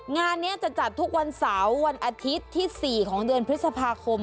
งานนี้จะจัดทุกวันเสาร์วันอาทิตย์ที่๔ของเดือนพฤษภาคม